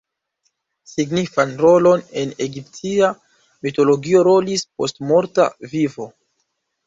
Signifan rolon en egiptia mitologio rolis postmorta vivo.